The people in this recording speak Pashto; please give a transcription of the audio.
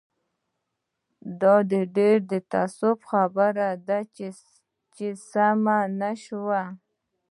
دا ډېر د تاسف خبره ده چې سمه نه شوه.